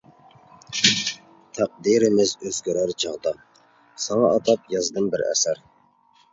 تەقدىرىمىز ئۆزگىرەر چاغدا، ساڭا ئاتاپ يازدىم بىر ئەسەر.